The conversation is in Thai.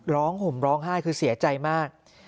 ห่มร้องไห้คือเสียใจมาก